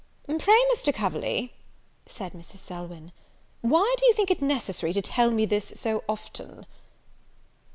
"Pray, Mr. Coverley," said Mrs. Selwyn, "why do you think it necessary to tell me this so often?"